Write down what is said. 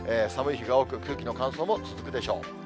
寒い日が多く、空気の乾燥が続くでしょう。